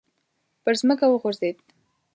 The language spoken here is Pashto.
پر ځمکه وغورځېد.